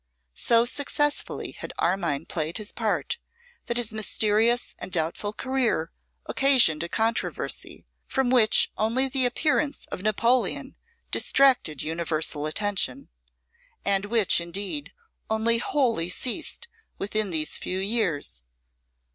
So successfully had Armine played his part, that his mysterious and doubtful career occasioned a controversy, from which only the appearance of Napoleon distracted universal attention, and which, indeed, only wholly ceased within these few years.